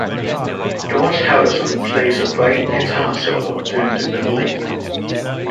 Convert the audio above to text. George Harrison plays a bright guitar solo during the middle eight.